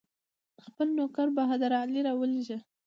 خپل نوکر بهادر علي راولېږه.